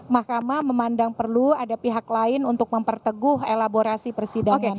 mahkamah memandang perlu ada pihak lain untuk memperteguh elaborasi persidangan